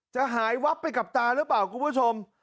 หายวับไปกับตาหรือเปล่าคุณผู้ชม